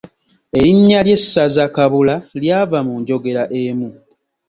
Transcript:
Erinnya ly’essaza Kabula, lyava mu njogera emu.